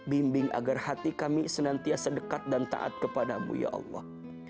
bimbing agar hati kami senantiasa dekat dan taat kepadamu ya allah